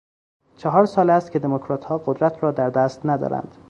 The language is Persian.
چهار سال است که دموکراتها قدرت را در دست ندارند.